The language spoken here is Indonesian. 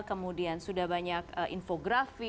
kemudian sudah banyak infografi